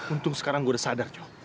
untung sekarang gua udah sadar jho